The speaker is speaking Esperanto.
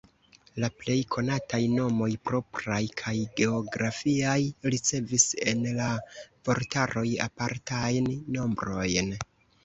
La plej konataj nomoj propraj kaj geografiaj ricevis en la vortaroj apartajn nombrojn.